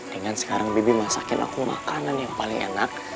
dengan sekarang bibi masakin aku makanan yang paling enak